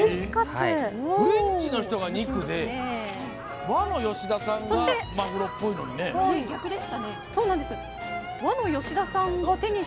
フレンチの人が肉で和の吉田さんがマグロっぽいのに。